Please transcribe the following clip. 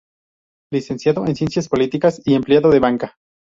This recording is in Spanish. Licenciado en Ciencias Políticas y empleado de banca.